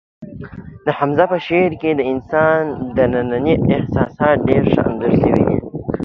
د حمزه په شعر کې د انسان ننني احساسات ډېر ښه انځور شوي